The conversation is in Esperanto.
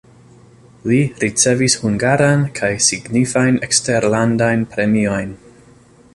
Li ricevis hungaran kaj signifajn eksterlandajn premiojn.